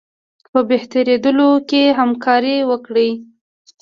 په بهترېدلو کې همکاري وکړي.